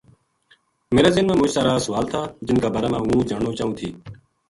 میرا ذہن ما مُچ سارا سوال تھا جن کا بارا ما ہوں جاننو چاہوں تھی